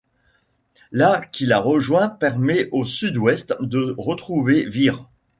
La qui la rejoint permet au sud-ouest de retrouver Vire.